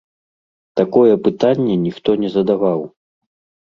Такое пытанне ніхто не задаваў!